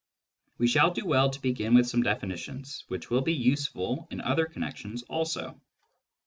We shall do well to begin with some definitions, which will be useful in other connections also.